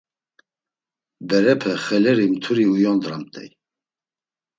Berepe xeleri mturi uyondramt̆ey.